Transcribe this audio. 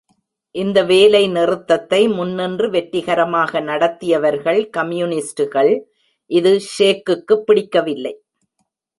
இந்த வேலை நிறுத்தத்தை முன் நின்று வெற்றிகரமாக நடத்தியவர்கள் கம்யூனிஸ்டுகள், இது ஷேக்குக்குப் பிடிக்கவில்லை.